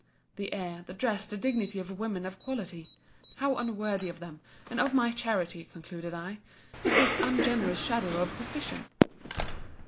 The air, the dress, the dignity of women of quality. How unworthy of them, and of my charity, concluded I, is this ungenerous shadow of suspicion!